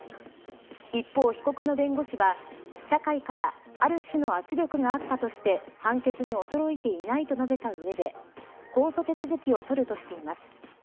一方、被告の弁護士は社会からある種の圧力があったとして判決に驚いていないと述べたうえで控訴手続きを取るとしています。